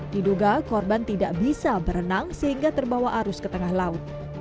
diduga korban tidak bisa berenang sehingga terbawa arus ke tengah laut